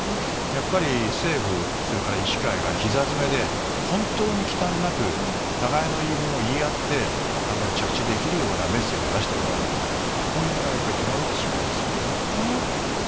やはり政府それから医師会がひざづめで本当に忌憚なく互いの言い分を言い合って着地できるようなメッセージを出してもらわないと国民は戸惑ってしまいます。